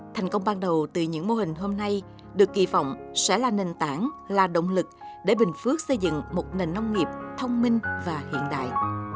thành công ban đầu từ những mô hình hôm nay được kỳ vọng sẽ là nền tảng là động lực để bình phước xây dựng một nền nông nghiệp thông minh và hiện đại